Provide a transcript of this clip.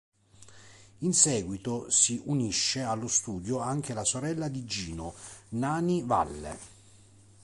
In seguito si unisce allo studio anche la sorella di Gino, Nani Valle.